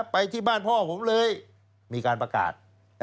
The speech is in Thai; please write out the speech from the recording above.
ไปที่บ้านพ่อผมเลยมีการประกาศ